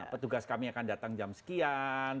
petugas kami akan datang jam sekian